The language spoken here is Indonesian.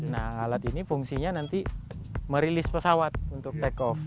nah alat ini fungsinya nanti merilis pesawat untuk take off